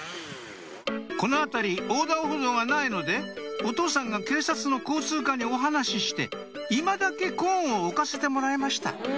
この辺り横断歩道がないのでお父さんが警察の交通課にお話して今だけコーンを置かせてもらいました